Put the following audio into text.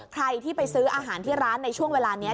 ใครที่ไปซื้ออาหารที่ร้านในช่วงเวลานี้